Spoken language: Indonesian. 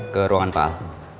ke ruangan pak al